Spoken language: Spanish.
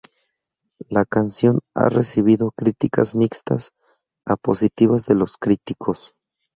La canción ha recibido críticas mixtas a positivas de los críticos.